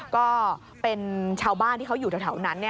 ก็เป็นชาวบ้านที่เขาอยู่แถวนั้น